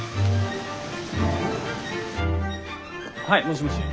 はいもしもし。